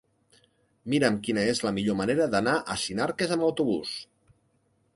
Mira'm quina és la millor manera d'anar a Sinarques amb autobús.